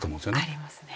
ありますね。